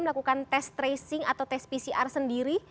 melakukan tes tracing atau tes pcr sendiri